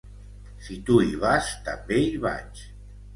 Si tu hi vas, també hi vaig.